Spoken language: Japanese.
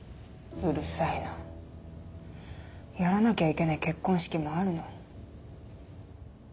うるさいな。やらなきゃいけない結婚式もあるの。